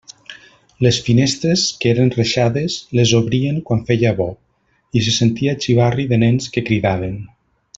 Les finestres, que eren reixades, les obrien quan feia bo, i se sentia xivarri de nens que cridaven.